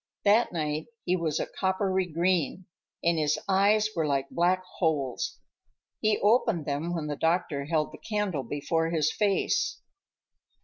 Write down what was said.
That night he was a coppery green, and his eyes were like black holes. He opened them when the doctor held the candle before his face.